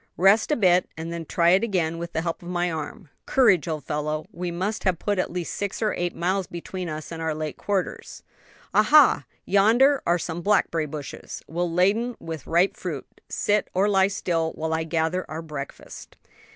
"Rest a bit, and then try it again with the help of my arm. Courage, old fellow, we must have put at least six or eight miles between us and our late quarters. Ah, ha! yonder are some blackberry bushes, well laden with ripe fruit. Sit or lie still while I gather our breakfast."